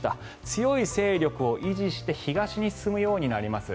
強い勢力を維持して東に進むようになります。